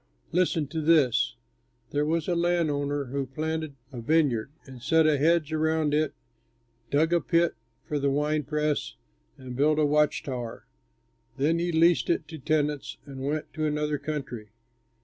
"Listen to this: There was a landowner who planted a vineyard, and set a hedge around it, dug a pit for the wine press, and built a watch tower. Then he leased it to tenants and went to another country.